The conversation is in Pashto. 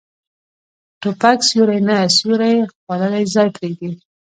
توپک سیوری نه، سیوری خوړلی ځای پرېږدي.